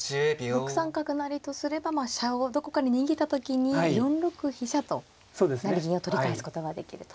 ６三角成とすれば飛車をどこかに逃げた時に４六飛車と成銀を取り返すことができると。